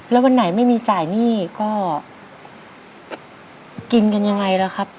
แล้ววันไหนไม่มีจ่ายหนี้ก็กินกันยังไงล่ะครับ